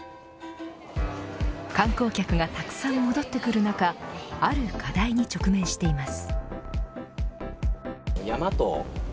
観光客がたくさん戻ってくる中ある課題に直面しています。